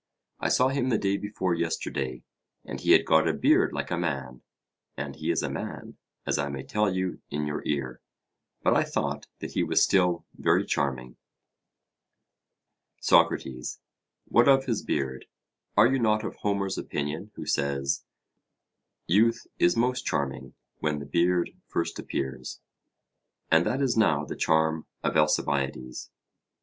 I saw him the day before yesterday; and he had got a beard like a man, and he is a man, as I may tell you in your ear. But I thought that he was still very charming. SOCRATES: What of his beard? Are you not of Homer's opinion, who says 'Youth is most charming when the beard first appears'? And that is now the charm of Alcibiades.